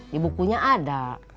di bukunya ada